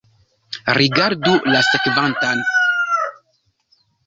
Rigardu la sekvantan.